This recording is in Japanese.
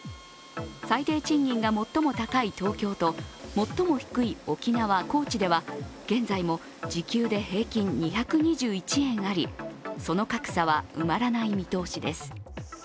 最低賃金が最も高い東京と最も低い沖縄・高知では現在も時給で平均２２１円あり、その格差は埋まらない見通しです。